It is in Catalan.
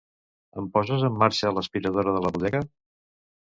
Em poses en marxa l'aspiradora a la bodega?